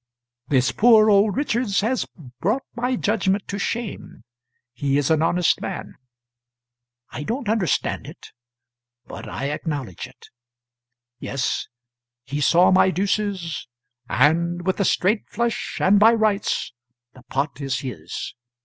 This poor old Richards has brought my judgment to shame; he is an honest man: I don't understand it, but I acknowledge it. Yes, he saw my deuces and with a straight flush, and by rights the pot is his.